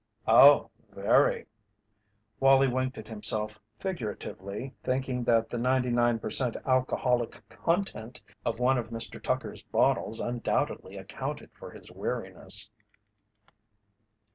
"Oh, very." Wallie winked at himself figuratively, thinking that the 99 per cent. alcoholic content of one of Mr. Tucker's bottles undoubtedly accounted for his weariness.